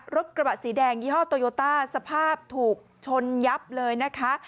รถกระบะสีแดงยี่ห้อโตโยต้าสภาพถูกชนยับเลยนะคะ